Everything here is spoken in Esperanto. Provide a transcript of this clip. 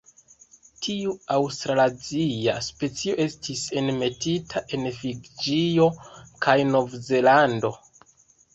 Tiu aŭstralazia specio estis enmetita en Fiĝio kaj Novzelando.